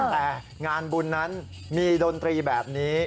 แต่งานบุญนั้นมีดนตรีแบบนี้